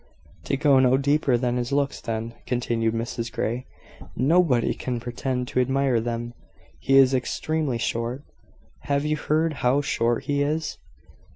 "To go no deeper than his looks, then," continued Mrs Grey, "nobody can pretend to admire them. He is extremely short. Have you heard how short he is?"